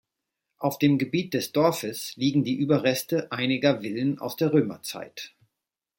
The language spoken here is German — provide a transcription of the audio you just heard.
Auf dem Gebiet des Dorfes liegen die Überreste einiger Villen aus der Römerzeit.